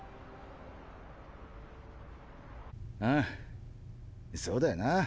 うんそうだよな。